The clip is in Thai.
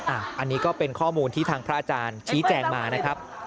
อันนี้ก็เป็นข้อมูลที่ทางพระอาจารย์ชี้แจงมานะครับ